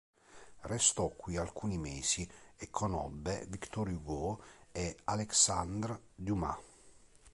Restò qui alcuni mesi e conobbe Victor Hugo e Alexandre Dumas.